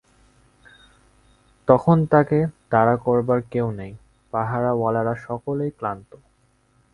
তখন তাকে তাড়া করবার কেউ নেই, পাহারাওয়ালারা সকলেই ক্লান্ত।